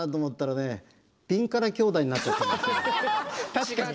確かに。